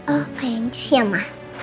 oh kayak ancus ya ma